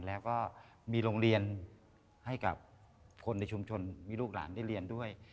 แล้วก็มีโรงเรียนให้กับคนในชุมชนมีลูกหลานได้เรียนด้วย